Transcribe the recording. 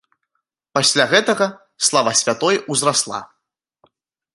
Пасля гэтага слава святой ўзрасла.